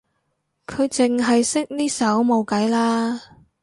佢淨係識呢首冇計啦